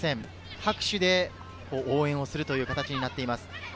拍手で応援をする形になっています。